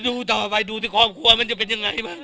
ดูต่อไปดูที่ครอบครัวมันจะเป็นยังไงบ้าง